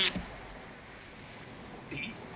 えっ？